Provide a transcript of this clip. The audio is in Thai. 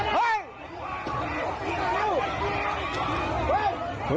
หยุดไป